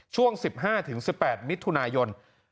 ช่วง๑๕๑๘มิถุนายน